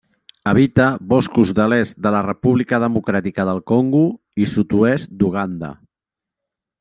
Habita boscos de l'est de la República Democràtica del Congo i sud-oest d'Uganda.